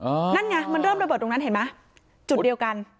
จุดตรงนั้นไงมันเริ่มระเบิดตรงนั้นเห็นมั้ยจุดเดียวกัน